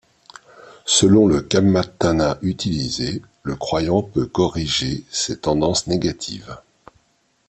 Selon le kammatthana utilisé, le croyant peut corriger ses tendances négatives.